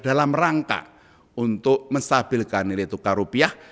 dalam rangka untuk menstabilkan nilai tukar rupiah